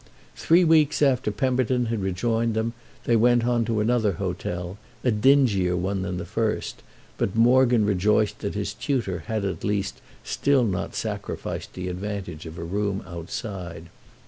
Three weeks after Pemberton had rejoined them they went on to another hotel, a dingier one than the first; but Morgan rejoiced that his tutor had at least still not sacrificed the advantage of a room outside.